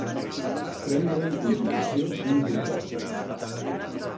Prendre en consideració una proposta.